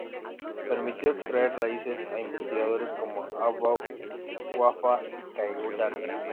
Permitió extraer raíces a investigadores como Abu'l-Wafa y Khayyam.